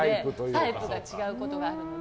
タイプが違うことがあるので。